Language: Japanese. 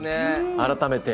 改めて。